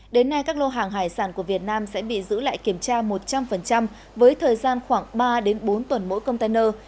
đến nay các lô hàng hải sản của việt nam sẽ bị giữ lại kiểm tra một trăm linh với thời gian khoảng ba bốn tuần mỗi container